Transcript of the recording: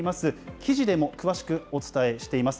記事でも詳しくお伝えしています。